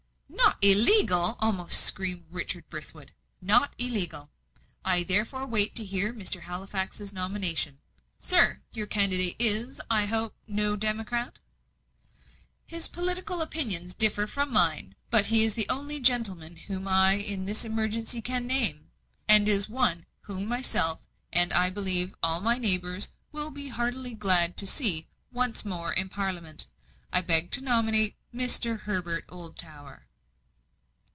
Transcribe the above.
"Not illegal?" almost screamed Richard Brithwood. "Not illegal. I therefore wait to hear Mr. Halifax's nomination. Sir, your candidate is, I hope, no democrat?" "His political opinions differ from mine, but he is the only gentleman whom I in this emergency can name; and is one whom myself, and I believe all my neighbours, will be heartily glad to see once more in Parliament. I beg to nominate Mr. Herbert Oldtower."